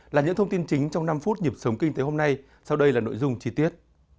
là những thông tin chính trong năm phút nhịp sống kinh tế hôm nay sau đây là nội dung chi tiết